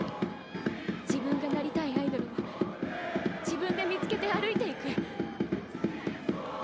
自分がなりたいアイドルを自分で見つけて歩いていく！